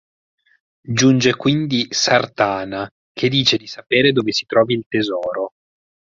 Giunge quindi Sartana, che dice di sapere dove si trovi il tesoro.